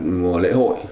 mùa lễ hội